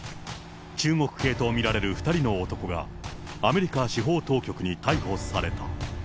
中国系と見られる２人の男が、アメリカ司法当局に逮捕された。